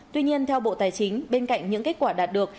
tuy nhiên theo bộ tài chính bên cạnh những kết quả đạt được